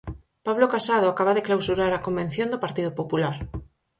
Pablo Casado acaba de clausurar a Convención do Partido Popular.